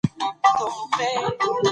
که وخت وي نو فرصت نه ضایع کیږي.